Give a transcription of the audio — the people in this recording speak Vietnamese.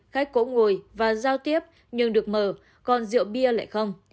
khách cỗ ngồi và giao tiếp nhưng được mở còn rượu bia lại không